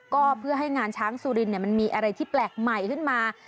ก็เพื่อให้งานช้างสุรินมันมีอะไรที่แปลกใหม่ขึ้นมา